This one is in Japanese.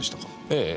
ええ。